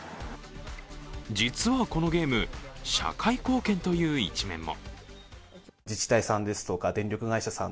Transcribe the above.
実はこのゲーム、社会貢献という一面も。